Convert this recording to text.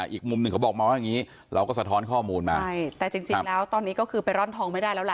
อีกมุมหนึ่งเขาบอกมองว่าอย่างนี้เราก็สะท้อนข้อมูลมาใช่แต่จริงแล้วตอนนี้ก็คือไปร่อนทองไม่ได้แล้วล่ะ